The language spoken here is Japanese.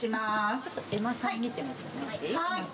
ちょっとえまさん見てもらっていい？